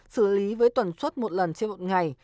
xử lý với tuần suốt một lần trên một ngày